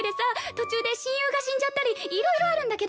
途中で親友が死んじゃったりいろいろあるんだけど。